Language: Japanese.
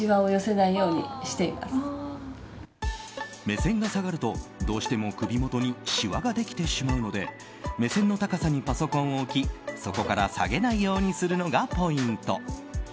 目線が下がると、どうしても首元にしわができてしまうので目線の高さにパソコンを置きそこから下げないようにするのがポイント。